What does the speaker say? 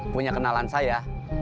punya kenalan saya